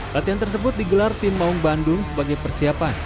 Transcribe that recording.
latihan tersebut digelar tim maung bandung sebagai persiapan